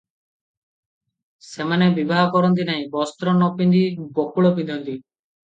ସେମାନେ ବିବାହ କରନ୍ତି ନାହିଁ ; ବସ୍ତ୍ର ନ ପିନ୍ଧି ବକୁଳ ପିନ୍ଧନ୍ତି ।